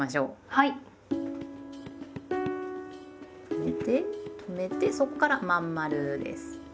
止めて止めてそこから真ん丸です。